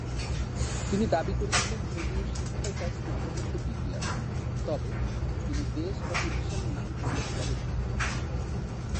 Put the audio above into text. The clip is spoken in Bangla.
তিনি দাবি করেছিলেন ধর্মীয় শিক্ষায় তার স্নাতকোত্তর ডিগ্রি আছে, তবে তিনি দেশ বা প্রতিষ্ঠানের নাম উল্লেখ করেন নি।